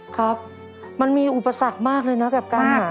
ครับมันมีอุปสรรคมากเลยนะกับการ